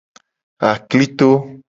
Aklito.